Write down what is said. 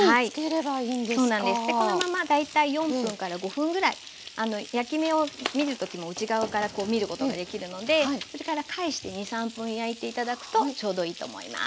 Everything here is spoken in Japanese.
このまま大体４分５分ぐらい焼き目を見る時も内側からこう見ることができるのでそれから返して２３分焼いて頂くとちょうどいいと思います。